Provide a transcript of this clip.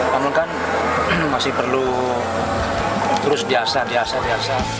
namun kan masih perlu terus biasa diasah diasah